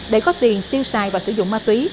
để có tiền tiêu xài và sử dụng ma túy